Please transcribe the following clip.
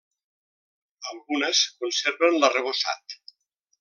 Algunes conserven l'arrebossat.